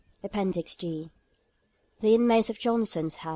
339. APPENDIX D. THE INMATES OF JOHNSON'S HOUSE.